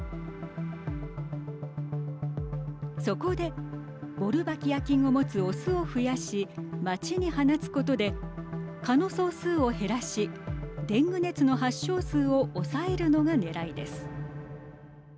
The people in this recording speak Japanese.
そこでボルバキア菌を持つ雄を増やし街に放つことで蚊の総数を減らしデング熱の発症数を抑えるのがねらいです。